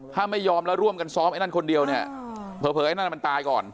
ถ้าไม่ยอมแล้วร่วมกันซ้อมไอ้นั่นคนเดียวเนี่ยเผลอไอ้นั่นมันตายก่อน